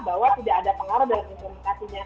bahwa tidak ada pengaruh dari informasinya